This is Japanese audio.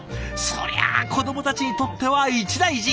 そりゃあ子どもたちにとっては一大事！